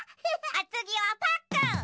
おつぎはパックン！